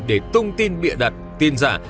để tung tin bịa đặt tin giả